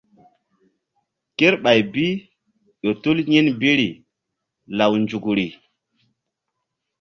Kerɓay bi ƴo tul yin biri law nzukri.